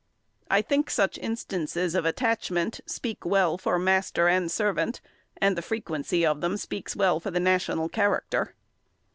I think such instances of attachment speak well for master and servant, and the frequency of them speaks well for national character.